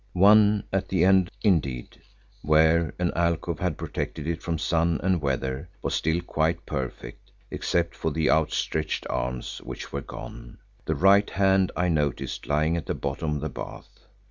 One at the end indeed, where an alcove had protected it from sun and weather, was still quite perfect, except for the outstretched arms which were gone (the right hand I noticed lying at the bottom of the bath).